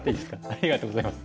ありがとうございます。